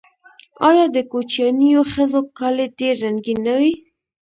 آیا د کوچیانیو ښځو کالي ډیر رنګین نه وي؟